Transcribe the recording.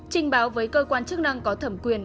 trình báo với cơ quan chức năng có thẩm quyền